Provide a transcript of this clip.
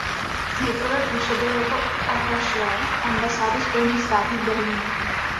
Nejprve působil jako atašé ambasády Spojených států v Berlíně.